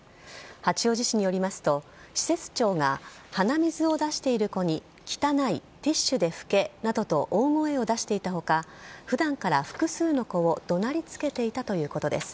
八王子市によりますと施設長が鼻水を出している子に汚い、ティッシュで拭けなどと大声を出していた他普段から複数の子を怒鳴りつけていたということです。